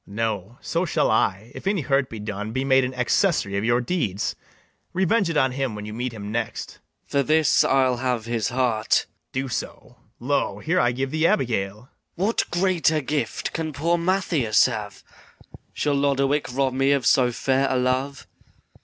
BARABAS. No; so shall I, if any hurt be done, Be made an accessary of your deeds: Revenge it on him when you meet him next. MATHIAS. For this I'll have his heart. BARABAS. Do so. Lo, here I give thee Abigail! MATHIAS. What greater gift can poor Mathias have? Shall Lodowick rob me of so fair a love?